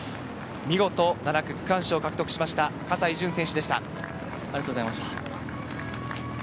見事７区区間賞を獲得しました、葛西潤選手でした。